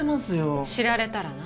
知られたらな。